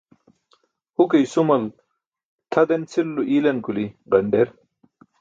Huke i̇sumal tʰa den cʰilulo i̇ilan kuli̇ ġanḍer